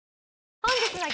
本日の激